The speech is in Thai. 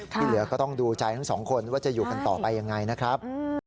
ที่เหลือก็ต้องดูใจทั้งสองคนว่าจะอยู่กันต่อไปยังไงนะครับ